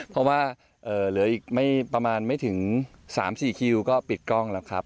เพราะว่าเหลืออีกไม่ประมาณไม่ถึง๓๔คิวก็ปิดกล้องแล้วครับ